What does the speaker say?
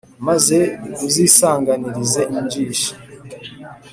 maze uzisanganirize injishi